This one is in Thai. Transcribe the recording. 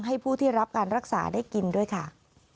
ผู้ที่รับการรักษาได้กินด้วยค่ะ